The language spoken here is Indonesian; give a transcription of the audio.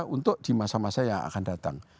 untuk di masa masa yang akan datang